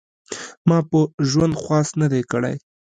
ما په ژوند خواست نه دی کړی .